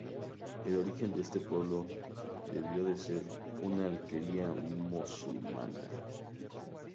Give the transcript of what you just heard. El origen de este pueblo debió de ser una alquería musulmana.